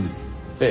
ええ。